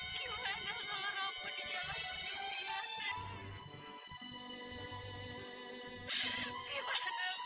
ngapain kalau ini nyumes